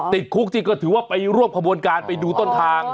ติดคุกที่ก็ถือว่าไปร่วมขบวนการไปดูต้นทาง